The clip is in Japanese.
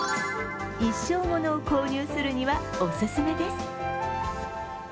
一生ものを購入するにはおすすめです。